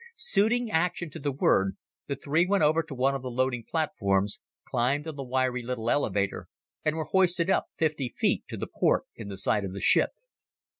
Suiting action to the word, the three went over to one of the loading platforms, climbed on the wiry little elevator, and were hoisted up fifty feet to the port in the side of the ship.